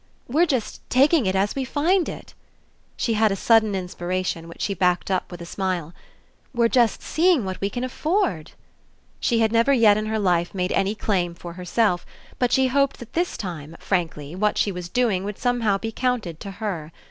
"We're just taking it as we find it." She had a sudden inspiration, which she backed up with a smile. "We're just seeing what we can afford." She had never yet in her life made any claim for herself, but she hoped that this time, frankly, what she was doing would somehow be counted to her.